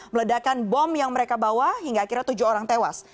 meledakan bom yang mereka bawa hingga akhirnya tujuh orang tewas